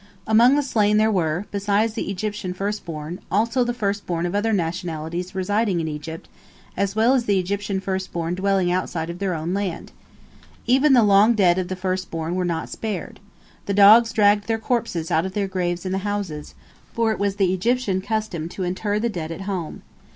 Among the slain there were, beside the Egyptian first born, also the first born of other nationalities residing in Egypt, as well as the Egyptian first born dwelling outside of their own land. Even the long dead of the first born were not spared. The dogs dragged their corpses out of their graves in the houses, for it was the Egyptian custom to inter the dead at home.